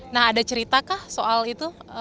nah ada cerita kah soal itu